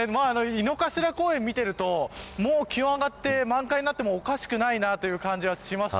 井の頭公園を見ているともう気温が上がって満開になってもおかしくないなという感じはします